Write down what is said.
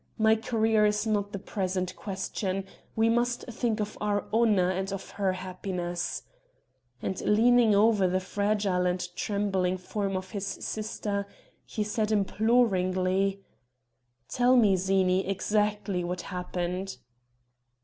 "My career is not the present question we must think of our honor and of her happiness," and leaning over the fragile and trembling form of his sister, he said imploringly: "Tell me, Zini, exactly what happened."